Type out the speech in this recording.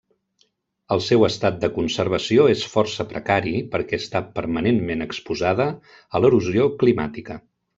El seu estat de conservació és força precari perquè està permanentment exposada a l'erosió climàtica.